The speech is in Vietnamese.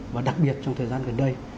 và đặc biệt trong thời gian gần đây